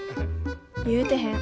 言うてへん。